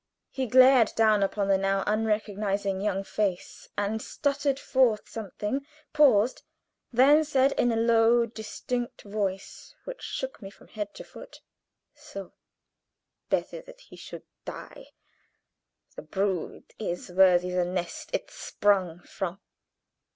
He glared down upon the now unrecognizing young face and stuttered forth something, paused, then said in a low, distinct voice, which shook me from head to foot: "So! Better he should die. The brood is worthy the nest it sprung from.